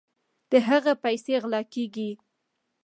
د هغه پیسې غلا کیږي.